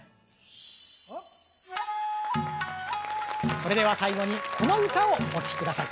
それでは最後にこの唄をお聴き下さい。